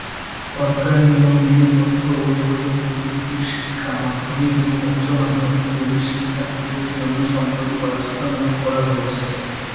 সরকারি নিয়ম মেনে তথ্য ও যোগাযোগ প্রযুক্তির শিক্ষা মাধ্যমিক এবং উচ্চ মাধ্যমিক শ্রেণির শিক্ষার্থীদের জন্য সম্প্রতি বাধ্যতামূলক করা হয়েছে।